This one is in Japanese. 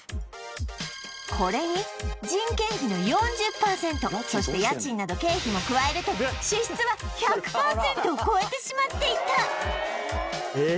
これに人件費の４０％そして家賃など経費も加えると支出は１００％を超えてしまっていたえ